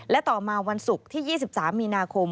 และต่อมาวันศุกร์ที่๒๓มีนาคม